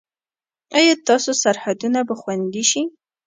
ایا ستاسو سرحدونه به خوندي شي؟